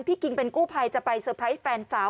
คิงเป็นกู้ภัยจะไปเซอร์ไพรส์แฟนสาว